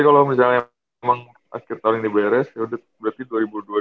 kalo misalnya emang akhir tahun ini beres yaudah berarti dua ribu dua puluh dua itu terakhir berarti